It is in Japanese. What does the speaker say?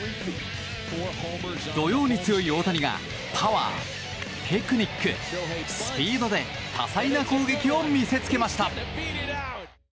土曜に強い大谷がパワー、テクニック、スピードで多彩な攻撃を見せつけました。